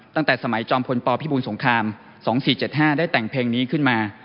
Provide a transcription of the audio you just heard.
ตั้งแต่สมัยจอมพลปพิบูรสงคราม๒๔๗๕ได้แต่งเพลงนี้ขึ้นมา